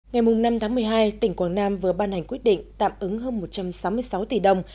ngày năm tháng một mươi hai tỉnh quảng nam vừa ban hành quyết định tạm ứng hơn một trăm sáu mươi sáu tỷ đồng